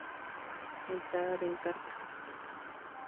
Entrada de Encarta